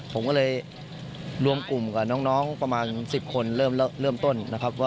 ผมก็เลยรวมกลุ่มกับน้องประมาณ๑๐คนเริ่มต้นนะครับ